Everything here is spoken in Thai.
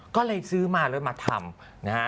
ก็เลยซื้อมาเลยมาทำ